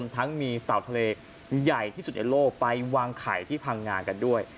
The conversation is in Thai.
ทั้งมีเต่าทะเลใหญ่ที่สุดในโลกไปวางไข่ที่พังงากันด้วย